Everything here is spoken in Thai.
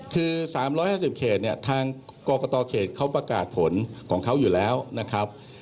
คือ๓๕๐เขตเนี่ยทางกรกตเขตเขาประกาศผลของเขาอยู่แล้วนะครับ